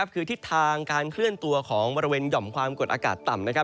คือทิศทางการเคลื่อนตัวของบริเวณหย่อมความกดอากาศต่ำ